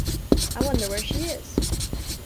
I wonder where she is!